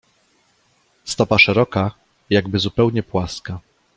"Stopa szeroka, jakby zupełnie płaska."